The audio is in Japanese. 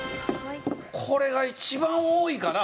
これが一番多いかな。